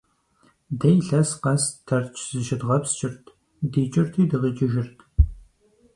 Дэ илъэс къэс Тэрч зыщыдгъэпскӀырт, дикӀырти дыкъикӀыжырт.